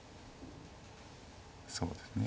そうですね。